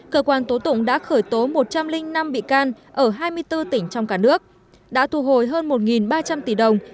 cơ quan tố tụng đã khởi tố một trăm linh năm bị can ở hai mươi bốn tỉnh trong cả nước đã thu hồi hơn một ba trăm linh tỷ đồng